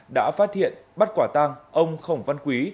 đã phát hiện bắt quả tang ông khổng văn quý